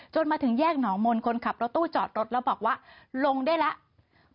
มาถึงแยกหนองมนต์คนขับรถตู้จอดรถแล้วบอกว่าลงได้แล้ว